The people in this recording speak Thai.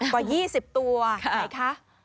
กว่า๒๐ตัวไหนคะ